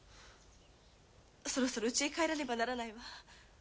そろそろ家へ帰らねばならないわ。